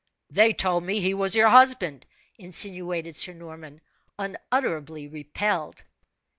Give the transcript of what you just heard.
"They told me he was your husband," insinuated Sir Norman, unutterably repelled.